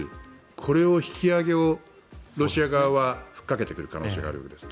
この引き上げをロシア側は吹っかけてくる可能性はあるわけです。